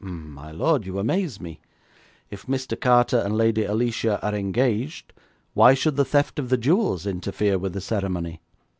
'My lord, you amaze me. If Mr. Carter and Lady Alicia are engaged, why should the theft of the jewels interfere with the ceremony?'